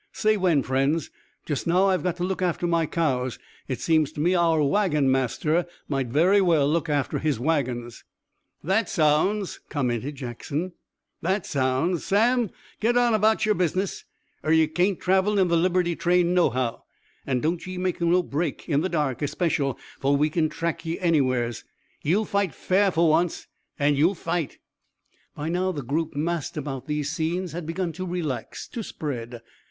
"Say when, friends. Just now I've got to look after my cows. It seems to me our wagon master might very well look after his wagons." "That sounds!" commented Jackson. "That sounds! Sam, git on about yer business, er ye kain't travel in the Liberty train nohow! An' don't ye make no break, in the dark especial, fer we kin track ye anywhere's. Ye'll fight fair fer once an' ye'll fight!" By now the group massed about these scenes had begun to relax, to spread.